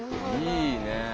いいね。